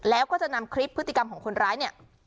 แล้วก็จะนำคลิปพฤติกรรมของคนร้ายเนี่ย